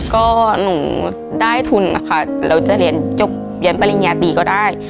ก็หนูได้ทุนนะคะแล้วจะเรียนจบเรียนปริญญาตีก็ได้